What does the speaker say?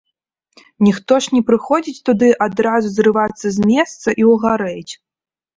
Ніхто ж не прыходзіць туды адразу зрывацца з месца і ўгарэць.